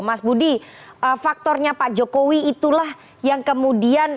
mas budi faktornya pak jokowi itulah yang kemudian